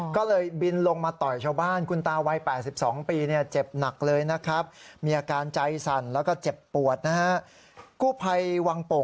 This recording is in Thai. ก็เลยบินลงมาต่อยชาวบ้านคุณตาวัยแปดสิบสองปีเนี่ยเจ็บหนักเลยนะครับมีอาการใจสั่นแล้วก็เจ็บปวดนะฮะกูภัยวางโป่ง